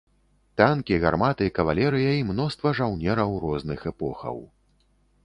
Танкі, гарматы, кавалерыя і мноства жаўнераў розных эпохаў.